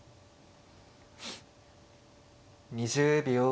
２０秒。